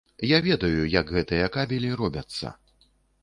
Я ведаю, як гэтыя кабелі робяцца.